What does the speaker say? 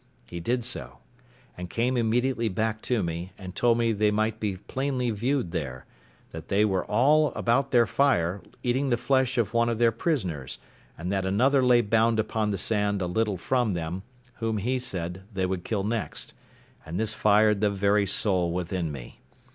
He did so, and came immediately back to me, and told me they might be plainly viewed there—that they were all about their fire, eating the flesh of one of their prisoners, and that another lay bound upon the sand a little from them, whom he said they would kill next; and this fired the very soul within me.